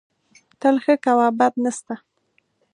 تل ښه کوه، بد نه سته